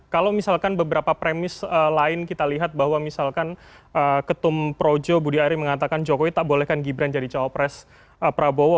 kalau misalkan beberapa premis lain kita lihat bahwa misalkan ketum projo budi ari mengatakan jokowi tak bolehkan gibran jadi cawapres prabowo